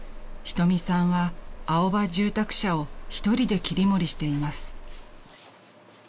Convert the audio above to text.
［瞳さんはアオバ住宅社を１人で切り盛りしています］